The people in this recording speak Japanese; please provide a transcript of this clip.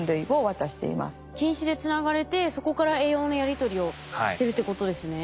菌糸でつながれてそこから栄養のやり取りをしてるってことですね。